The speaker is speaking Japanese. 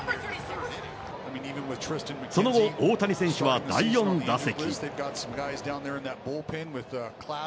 その後、大谷選手は第４打席。